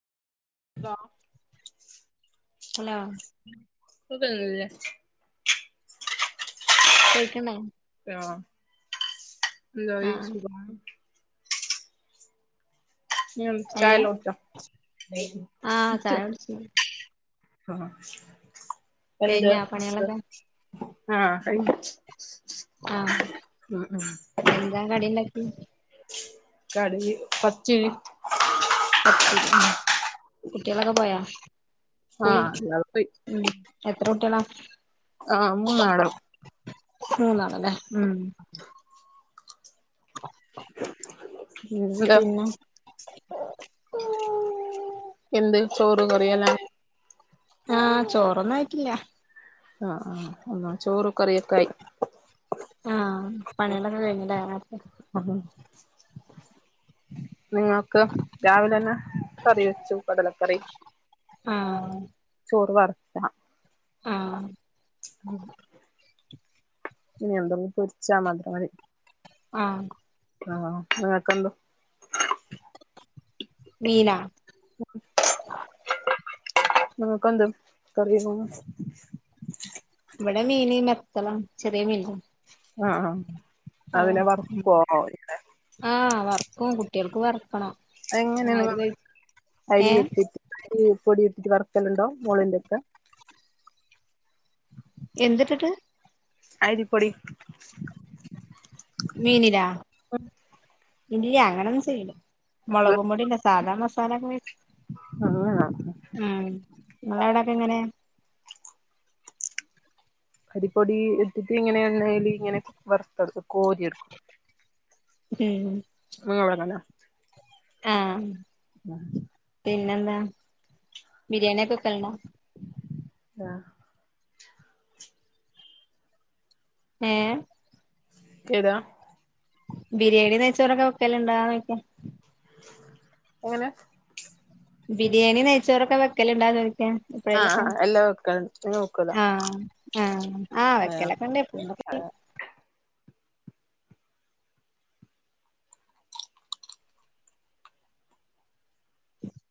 Hello [unintelligible] hello സുഖംതന്നല്ലേ കേക്ക്ണേ അഹ് എന്തായി ആഹ് സുഖാണോ ചായ ഏഹ് ലോച്ചോ ആഹ് ചായ കുടിച്ചു [unintelligible] അഹ് എന്ത് കഴിഞ്ഞാ പണികളൊക്കെ ആഹ് [unintelligible] ആഹ് ഉം ഉം എന്താ കടിണ്ടാക്കി കടിഞ്ഞി പ്പച്ചേ പത്തിരി ആണ് കുട്ടിയാളൊക്കെ പോയാ സ്കൂളി ആഹ് ഇയാള് പോയി ഉം എത്ര കുട്ടികളാ ആഹ് മൂന്നാള് മൂന്നാളല്ലേ ഉം [inaudible] [unintelligible] എന്താ പിന്നെ [unintelligible] എന്ത് ചോറ് കറീയല്ലേ ആഹ് ചോറൊന്നും ആയിട്ടില്ല ആഹ് ആഹ് എന്നാ ചോറ് കറിയൊക്കായി ആഹ് പണികളൊക്കെ കഴിഞ്ഞല്ലേ നേരത്തെ അഹ് നിങ്ങക്ക് രാവിലന്നെ കറി വെച്ചു കടലക്കറി ആഹ് ചോറ് വറട്ടാം ആഹ് ഉം ഇനി എന്തോന്ന്‌ പൊരിച്ചാ മാത്രം മതി ആഹ് ആഹ് അഹ് കണ്ടു മീനാ ഉം ഇങ്ങക്കെന്ത്‌ കറിയാണിന്ന്‌ ഇവടെ മീന് ബെത്തലാണ് ചെറിയ മീനെ ആഹ് ആഹ് ആഹ് വർക്കും കുട്ട്യാൾക്ക് വർക്കണം. എങ്ങനേണ് ഏഹ് അരികൊത്തീട്ട് അരി പൊടിട്ടിട്ട് വർക്കലുണ്ടോ മുള്ളൻചക്ക? എന്ത്‌ട്ടിട്ട്? അരിപ്പൊടി മീനിലാ ഇല്ല്യാ അങ്ങനെ ഒന്നും ചെയ്യൂല മൊളകും പൊടീന്റെ സാധാ മസാല മിക്സ് ആഹ് അതന്നെ ആഹ് ഇങ്ങളവ്ടേക്കെ എങ്ങനെ? അരിപ്പൊടി ഇട്ടിട്ട് ഇങ്ങനെ എണ്ണയില് ഇങ്ങനെ വറുത്തെടുക്കും കോരി എട്ക്കും. ഉം അത് [unintelligible] ആഹ് പിന്നെന്താ ബിരിയാണി ഒക്കെ വെക്കല്ണ്ടോ ആഹ് ഏഹ് ഏതാ ബിരിയാണിം ന്നെയ്യ്ച്ചോറോക്കെ വെക്കല്ണ്ടോന്നോയ്ക്കാ എങ്ങന ബിരിയാണിം ന്നെയ്യ്ച്ചോറോക്കെ വെക്കല്ണ്ടോ ചോയിക്കാ ആഹ് എപ്പഴേലൊക്കെ ആഹ് എല്ലാം വെക്കലുണ്ട് നിങ്ങൾ വെക്കുവല്ലോ ആഹ് ആഹ് ആഹ് വെക്കലൊക്കെണ്ട് എപ്പളെങ്കിലൊക്കെ. [inaudible]